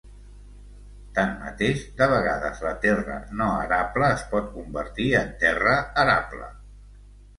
Tanmateix, de vegades la terra no arable es pot convertir en terra arable.